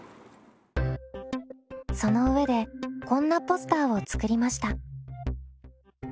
その上でこんなポスターを作りました。